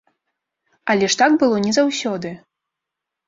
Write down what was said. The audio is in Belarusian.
Але ж так было не заўсёды.